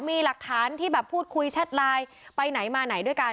มีหลักฐานที่แบบพูดคุยแชทไลน์ไปไหนมาไหนด้วยกัน